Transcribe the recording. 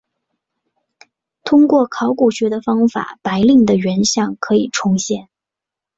通过考古学的方法白令的原像可以重现。